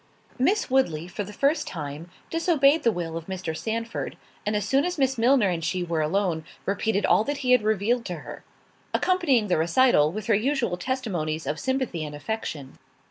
Miss Woodley, for the first time, disobeyed the will of Mr. Sandford; and as soon as Miss Milner and she were alone, repeated all he had revealed to her; accompanying the recital, with her usual testimonies of sympathy and affection.